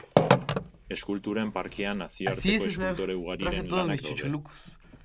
Eskulturen parkean nazioarteko eskultore ugariren lanak daude.